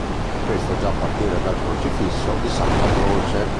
Questo già a partire dal Crocifisso di Santa Croce.